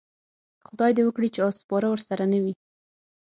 خدای دې وکړي چې اس سپاره ورسره نه وي.